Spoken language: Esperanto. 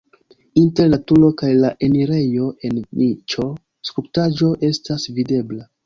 Inter la turo kaj la enirejo en niĉo skulptaĵo estas videbla.